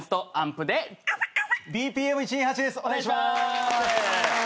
お願いします。